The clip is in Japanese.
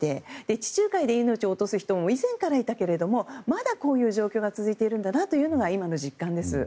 地中海で命を落とす人も以前からいたけれどもまだこういう状況が続いているんだなというのが今の実感です。